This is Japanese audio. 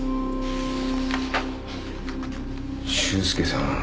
修介さん。